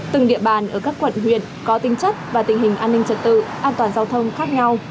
từng địa bàn ở các quận huyện có tính chất và tình hình an ninh trật tự an toàn giao thông khác nhau